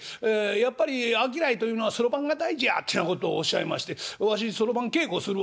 『やっぱり商いというのはそろばんが大事や』てなことをおっしゃいまして『わしそろばん稽古するわ』